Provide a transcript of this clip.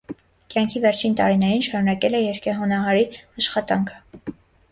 Կյանքի վերջին տարիներին շարունակել է երգեհոնահարի աշխատանքը։